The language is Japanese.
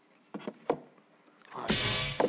はい。